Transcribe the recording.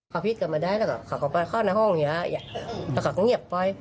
ขอพิษกลับมาได้แล้วก็ขอเขาไปเข้าในห้องอย่าอย่าเขาก็เงียบไป